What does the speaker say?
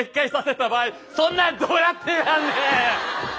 そんなんどうやってやんねん！